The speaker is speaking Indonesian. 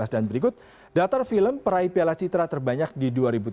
dan berikut datar film peraih piala citra terbanyak di dua ribu tujuh belas